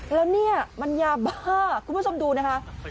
แล้วเนี่ยมันยาบ้าคุณผู้ชมดูนะคะ